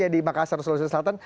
di makassar seluruh selatan